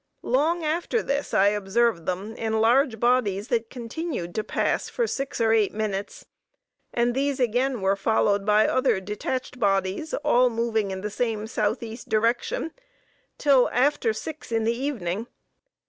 Long after this I observed them in large bodies that continued to pass for six or eight minutes, and these again were followed by other detached bodies, all moving in the same southeast direction, till after six in the evening.